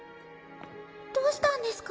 どうしたんですか？